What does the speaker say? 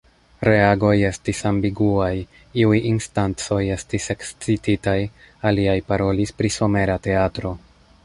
Reagoj estis ambiguaj; iuj instancoj estis ekscititaj, aliaj parolis pri somera teatro.